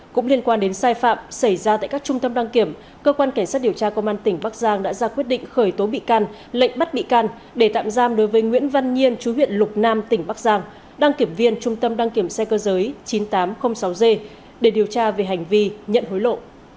cũng liên quan đến sai phạm xảy ra tại các trung tâm đăng kiểm cơ quan cảnh sát điều tra công an tỉnh bắc giang đã ra quyết định khởi tố bị can lệnh bắt bị can để tạm giam đối với nguyễn văn nhiên chú huyện lục nam tỉnh bắc giang đăng kiểm viên trung tâm đăng kiểm xe cơ giới chín nghìn tám trăm linh sáu g để điều tra về hành vi nhận hối lộ